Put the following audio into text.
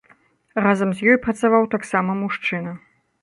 Разам з ёй працаваў таксама мужчына.